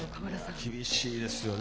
厳しいですよね。